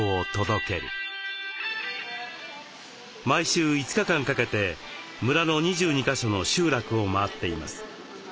毎週５日間かけて村の２２か所の集落を回っています。